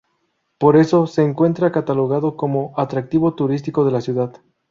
Por eso, se encuentra catalogado como atractivo turístico de la ciudad.